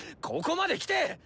ここまできて！